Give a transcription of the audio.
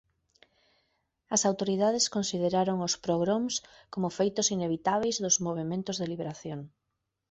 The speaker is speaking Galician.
As autoridades consideraron os pogroms como "feitos inevitábeis do movemento de liberación".